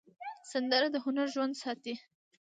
سندره د هنر ژوندي ساتل دي